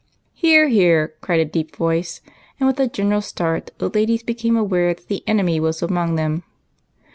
" Hear, hear," cried a deep voice, and with a general start the ladies became aware that the enemy was among them.